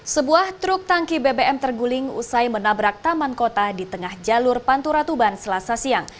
sebuah truk tangki bbm terguling usai menabrak taman kota di tengah jalur pantura tuban selasa siang